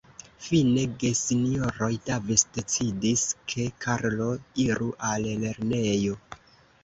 Fine gesinjoroj Davis decidis, ke Karlo iru al lernejo.